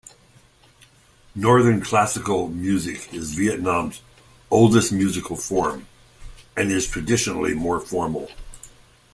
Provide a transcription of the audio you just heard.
Northern classical music is Vietnam's oldest musical form, and is traditionally more formal.